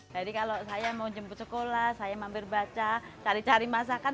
jadi kalau saya mau jemput sekolah saya mampir baca cari cari masakan